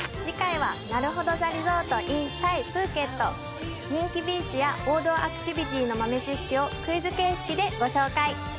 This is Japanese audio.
次回はなるほど・ザ・リゾートｉｎタイ・プーケット人気ビーチや王道アクティビティの豆知識をクイズ形式でご紹介